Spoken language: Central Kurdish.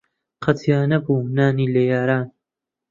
قەت جیا نەبوو نانی لە یاران